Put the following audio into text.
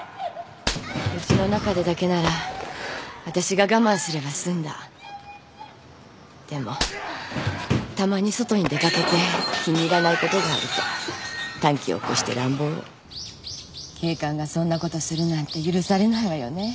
うちの中でだけなら私が我慢すれば済んだでもたまに外に出かけて気に入らないことがあると短気を起こして乱暴を警官がそんなことするなんて許されないわよね